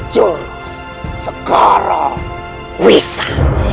jurus sekarang wisa